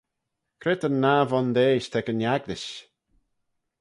Cre ta'n nah vondeish t'ec yn Agglish?